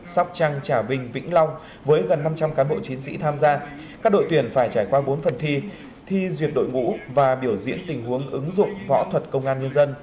sóc trăng trà vinh vĩnh long với gần năm trăm linh cán bộ chiến sĩ tham gia các đội tuyển phải trải qua bốn phần thi thi duyệt đội ngũ và biểu diễn tình huống ứng dụng võ thuật công an nhân dân